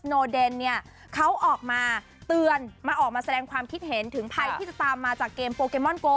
โนเดนเนี่ยเขาออกมาเตือนมาออกมาแสดงความคิดเห็นถึงภัยที่จะตามมาจากเกมโปเกมอนโก